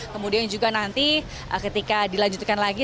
kemudian juga nanti ketika dilanjutkan lagi